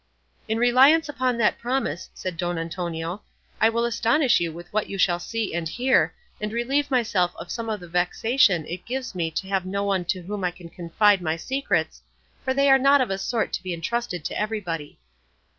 "In reliance upon that promise," said Don Antonio, "I will astonish you with what you shall see and hear, and relieve myself of some of the vexation it gives me to have no one to whom I can confide my secrets, for they are not of a sort to be entrusted to everybody."